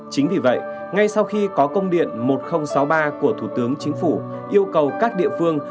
chính vì vậy ngay sau khi có công điện một nghìn sáu mươi ba của thủ tướng chính phủ yêu cầu các địa phương